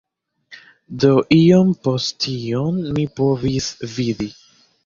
Do iom post iom mi povis vidi: